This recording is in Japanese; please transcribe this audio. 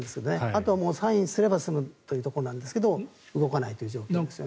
あとはサインすれば済むというところなんですけど動かない状況です。